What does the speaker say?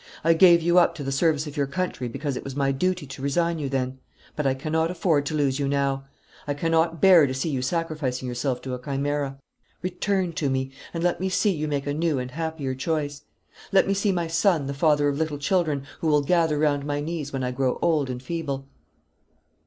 I gave you up to the service of your country because it was my duty to resign you then. But I cannot afford to lose you now; I cannot bear to see you sacrificing yourself to a chimera. Return to me; and let me see you make a new and happier choice. Let me see my son the father of little children who will gather round my knees when I grow old and feeble."